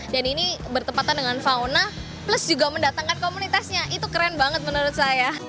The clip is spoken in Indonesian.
dan ini bertepatan dengan fauna plus juga mendatangkan komunitasnya itu keren banget menurut saya